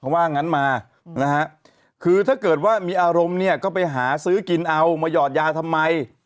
ว่างั้นมานะฮะคือถ้าเกิดว่ามีอารมณ์เนี่ยก็ไปหาซื้อกินเอามาหยอดยาทำไม